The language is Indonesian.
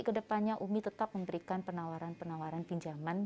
dan semoga nanti kedepannya umi tetap memberikan penawaran penawaran pinjaman